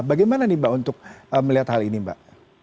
bagaimana nih mbak untuk melihat hal ini mbak